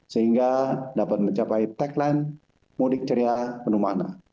sehingga dapat mencapai tagline mudik ceria penuh mana